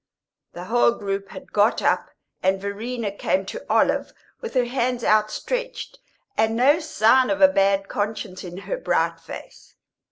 The whole group had got up, and Verena came to Olive with her hands outstretched and no signs of a bad conscience in her bright face.